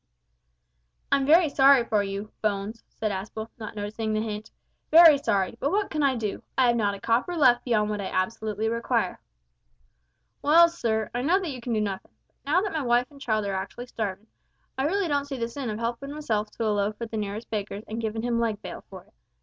"I'm very sorry for you, Bones," said Aspel, not noticing the hint, "very sorry, but what can I do? I have not a copper left beyond what I absolutely require." "Well, sir, I know that you can do nothing, but now that my wife and child are actually starvin', I really don't see the sin of helpin' myself to a loaf at the nearest baker's, and giving him leg bail for it."